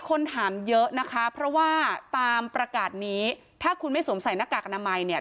คนถามเยอะนะคะเพราะว่าตามประกาศนี้ถ้าคุณไม่สวมใส่หน้ากากอนามัยเนี่ย